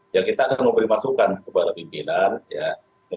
ya kita akan memberi masukan kepada pimpinan ya